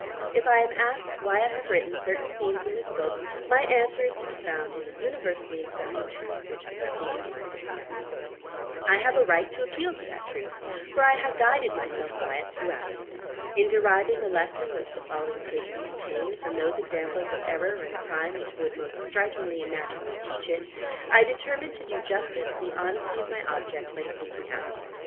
If I am asked why I have written certain scenes in this book, my answer is to be found in the universally accepted truth which the preceding words express. I have a right to appeal to that truth; for I guided myself by it throughout. In deriving the lesson which the following pages contain, from those examples of error and crime which would most strikingly and naturally teach it, I determined to do justice to the honesty of my object by speaking out.